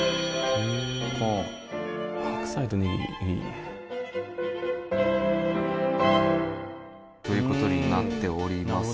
白菜とねぎいいね。という事になっております。